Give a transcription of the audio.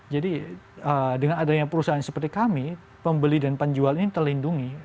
jadi dengan adanya perusahaan seperti kami pembeli dan penjual ini terlindungi